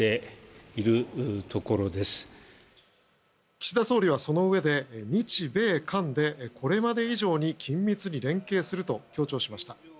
岸田総理はそのうえで日米韓でこれまで以上に緊密に連携すると強調しました。